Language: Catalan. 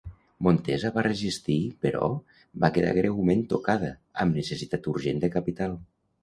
Montesa va resistir però va quedar greument tocada, amb necessitat urgent de capital.